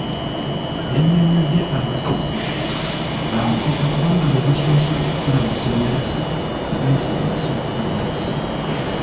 Yannyonnyodde aba Ssese bamukisa kubanga be basoose okufuna amasannyalaze nga gayise wansi mu mazzi.